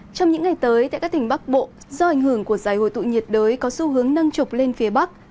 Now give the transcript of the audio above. trong những ngày tới tại các tỉnh bắc bộ do ảnh hưởng của giải hồi tụ nhiệt đới có xu hướng nâng trục lên phía bắc